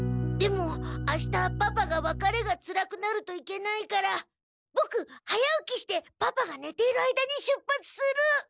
でもあしたパパがわかれがつらくなるといけないからボク早起きしてパパがねている間に出発する。